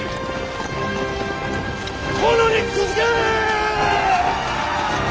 殿に続け！